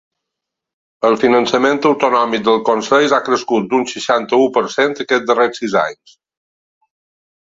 El finançament autonòmic dels consells ha crescut d’un seixanta-u per cent aquests darrers sis anys.